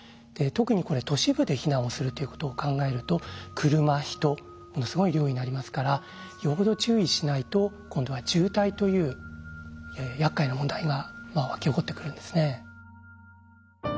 特にこれ都市部で避難をするということを考えると車人ものすごい量になりますからよほど注意しないと今度は渋滞というやっかいな問題がわき起こってくるんですね。